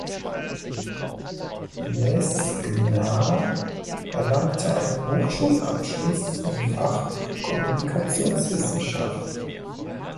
Mesghna erlangte einen Hochschulabschluss im Fach Kommunikationswissenschaft.